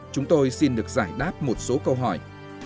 chúng tôi xin được giải đáp một số câu hỏi